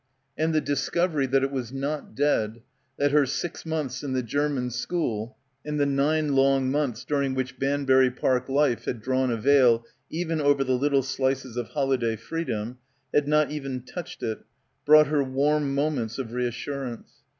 And the discovery that it was not dead, that her six months in the German school and the nine long months during which Banbury Park life had drawn a veil even over the little slices of holiday freedom, had not even touched it, brought her warm moments of reas surance.